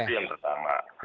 itu yang pertama